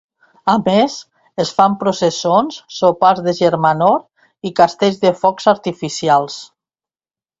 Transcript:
A més, es fan processons, sopars de germanor i castells de focs artificials.